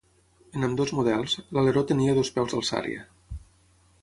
En ambdós models, l'aleró tenia dos peus d'alçària.